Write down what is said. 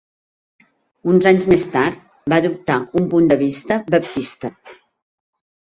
Uns anys més tard, va adoptar un punt de vista baptista.